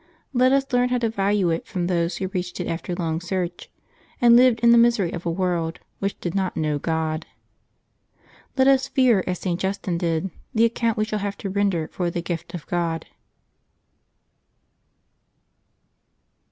Let us learn how to value it from those who reached it after long search, and lived in the misery of a world which did not know God. Let us fear, as St. Justin did, the account we shall have to render for the gift of God.